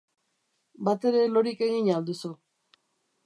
Batere lorik egin al duzu?